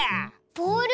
ボール？